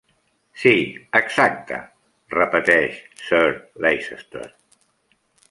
"Sí, exacte", repeteix Sir Leicester.